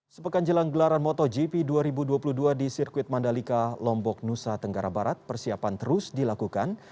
sepekan jelang gelaran motogp dua ribu dua puluh dua di sirkuit mandalika lombok nusa tenggara barat persiapan terus dilakukan